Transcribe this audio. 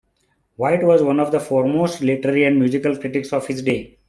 White was one of the foremost literary and musical critics of his day.